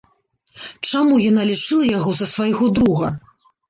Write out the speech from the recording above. Чаму яна лічыла яго за свайго друга?